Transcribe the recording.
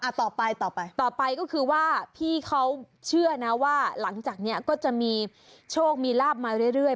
ต่อไปต่อไปก็คือว่าพี่เขาเชื่อนะว่าหลังจากนี้ก็จะมีโชคมีลาบมาเรื่อย